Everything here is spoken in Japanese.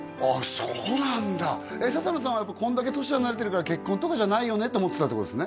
そうなんだ笹野さんはやっぱこんだけ年離れてるから結婚とかじゃないよねって思ってたってことですね？